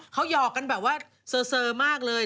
เขาหยอกกันแบบว่าเซอมากเลย